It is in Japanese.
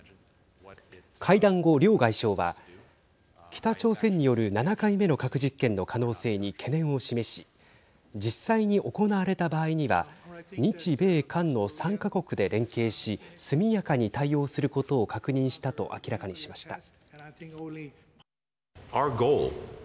会談後、両外相は北朝鮮による７回目の核実験の可能性に懸念を示し実際に行われた場合には日米韓の３か国で連携し速やかに対応することを確認したと明らかにしました。